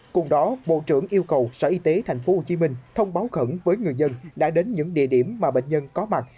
cùng đó bộ trưởng yêu cầu sở y tế tp hcm thông báo khẩn với người dân đã đến những địa điểm mà bệnh nhân có mặt